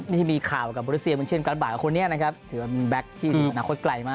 นี่มีข่าวกับบริเศษเช่นกับบาลกับคนนี้นะครับถือว่ามีแบ็คที่อนาคตไกลมาก